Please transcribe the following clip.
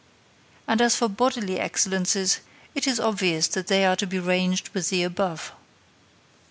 And as for bodily excellences, it is obvious that they are to be ranged with the above.